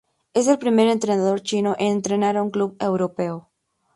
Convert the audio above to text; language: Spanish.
Es el primer entrenador chino en entrenar a un club europeo.